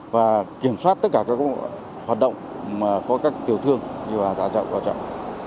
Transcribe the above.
và kiểm soát tất cả các hoạt động có các kiểu thương như là giả trọng bỏ trọng